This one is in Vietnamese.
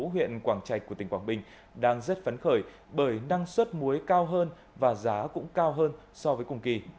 huyện quảng trạch của tỉnh quảng bình đang rất phấn khởi bởi năng suất muối cao hơn và giá cũng cao hơn so với cùng kỳ